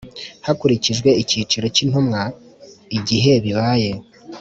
hakurikijwe icyiciro cy Intumwa igihe bibaye